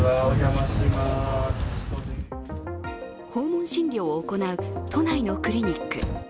訪問診療を行う都内のクリニック。